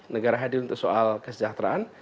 negara hadir untuk soal kesejahteraan